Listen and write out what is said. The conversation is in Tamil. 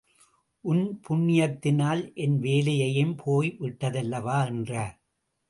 உன் புண்ணியத்தினால் என் வேலையும் போய் விட்டதல்லவா? என்றார்.